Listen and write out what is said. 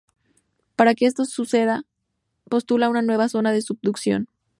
Para que esto suceda postula una nueva zona de subducción.